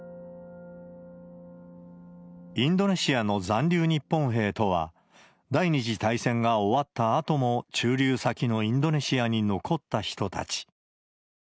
インドネシアの残留日本兵とは、第２次大戦が終わったあとも駐留先のインドネシアに残った人たち。